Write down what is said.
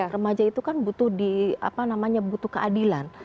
remaja itu kan butuh keadilan